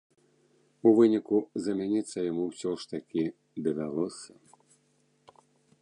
У выніку, замяніцца яму ўсё ж такі давялося.